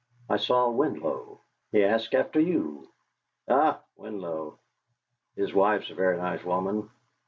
"I saw Winlow. He asked after you." "Ah! Winlow! His wife's a very nice woman.